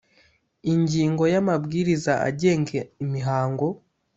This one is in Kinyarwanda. ingingo ya amabwiriza agenga imihango